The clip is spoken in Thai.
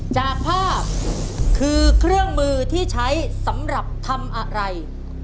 จากภาพคือเครื่องมือที่ใช้สำหรับทำอะไร